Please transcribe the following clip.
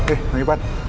eh pak ivan